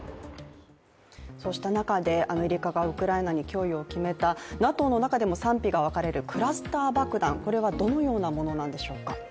そうした中で、アメリカがウクライナに供与を決めたＮＡＴＯの中でも賛否が分かれるクラスター爆弾、これはどのようなものなんでしょうか。